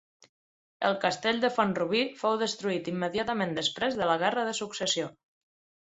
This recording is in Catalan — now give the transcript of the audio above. El castell de Font-rubí fou destruït immediatament després de la Guerra de Successió.